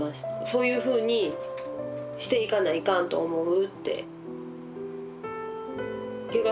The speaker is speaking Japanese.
「そういうふうにしていかないかんと思う」って。